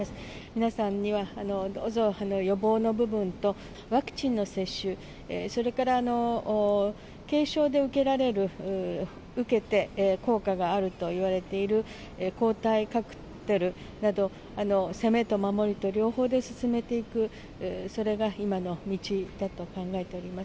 皆さんにはどうぞ予防の部分とワクチンの接種、それから軽症で受けられる、受けて効果があるといわれている抗体カクテルなど、攻めと守りと両方で進めていく、それが今の道だと考えております。